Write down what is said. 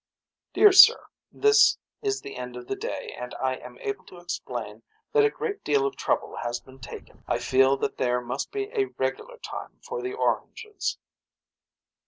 Dear Sir. This is the end of the day and I am able to explain that a great deal of trouble has been taken. I feel that there must be a regular time for the oranges.